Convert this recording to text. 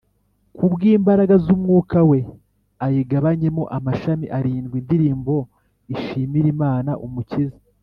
ku bw’imbaraga z’umwuka we, ayigabanyemo amashami arindwi, Indirimbo ishimira Imana, Umukiza